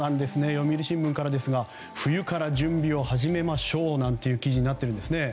読売新聞からですが冬から準備を始めましょうという記事になっています。